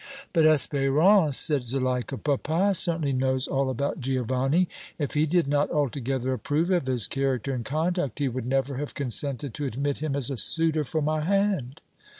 "But, Espérance," said Zuleika, "papa certainly knows all about Giovanni; if he did not altogether approve of his character and conduct, he would never have consented to admit him as a suitor for my hand!"